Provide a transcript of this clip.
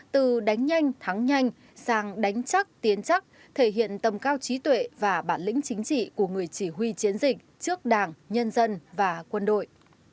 từ đánh nhanh thắng nhanh sang đánh chắc tiến chắc thể hiện tầm cao trí tuệ và bản lĩnh chính trị